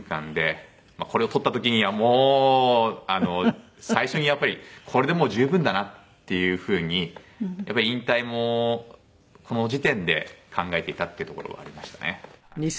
これをとった時にはもう最初にやっぱりこれでもう十分だなっていう風にやっぱり引退もこの時点で考えていたっていうところはありましたね。